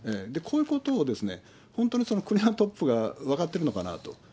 こういうことを本当に国のトップが分かっているのかなと。